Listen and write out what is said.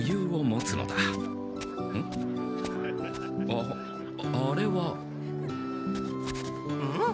あっあれはん？